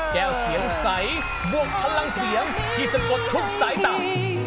แก้วเสียงใสม่วงพลังเสียงที่สะกดทุกสายตา